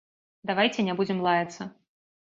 Давайце не будзем лаяцца.